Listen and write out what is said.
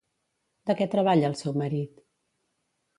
De què treballa el seu marit?